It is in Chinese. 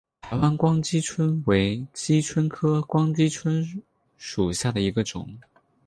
台湾光姬蝽为姬蝽科光姬蝽属下的一个种。